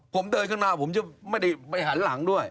ผมเดินขึ้นมาผมจะไม่ได้ไปหันหลังด้วย